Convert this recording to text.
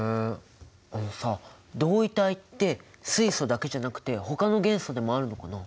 あのさ同位体って水素だけじゃなくてほかの元素でもあるのかな？